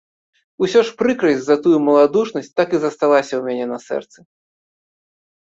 Усё ж прыкрасць за тую маладушнасць так і засталася ў мяне на сэрцы.